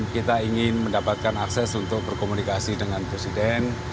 kita ingin mendapatkan akses untuk berkomunikasi dengan presiden